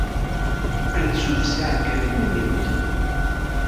Anṣuf s yiɛeggalen imaynuten.